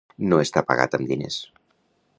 No estar pagat amb diners.